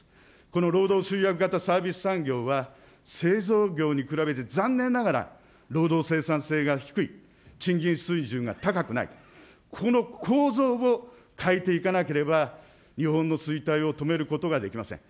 この労働集約型サービス産業は製造業に比べて残念ながら労働生産性が低い、賃金水準が高くない、この構造を変えていかなければ、日本の衰退を止めることができません。